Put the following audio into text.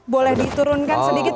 boleh diturunkan sedikit